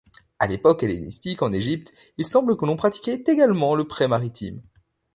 À l'époque hellénistique en Égypte, il semble que l'on pratiquait également le prêt maritime.